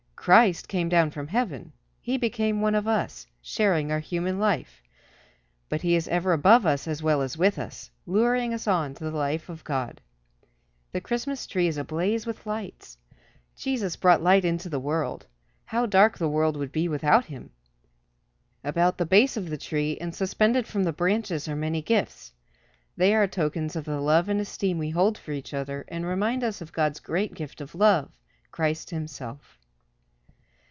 Christ came down from heaven. He became one of us, sharing our human life. But he is ever above us as well as with us, luring us on to the life of God. The Christmas tree is ablaze with lights. Jesus brought light into the world. How dark the world would be without him! About the base of the tree, and suspended from the branches are many gifts. They are tokens of the love and esteem we hold for each other, and remind us of God's great gift of love, Christ himself.